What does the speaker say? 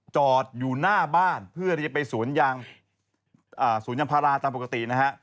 จอดอยู่หน้าบ้านเพื่อเรียบไปศูนย์ยางภาราตามปกตินะฮะ